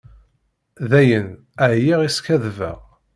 Dayen, ɛyiɣ i skaddbeɣ.